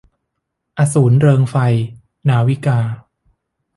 อสูรเริงไฟ - นาวิกา